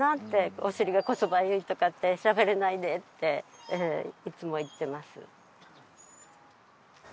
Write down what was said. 「『お尻がこしょばゆい』とかってしゃべれないで」っていつも言ってます